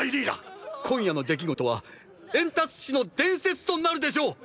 今夜の出来事はエンタス市の伝説となるでしょう！！